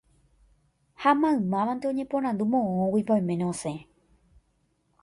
ha maymávante oñeporandu moõguipa oiméne osẽ